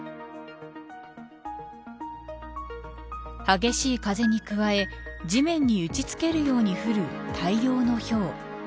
激しい風に加え地面に打ちつけるように降る大量のひょう。